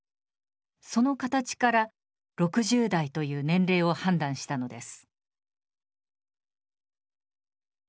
その形から６０代という年齢を判断したのです。